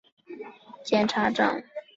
他曾是英国皇家检控署的检察长。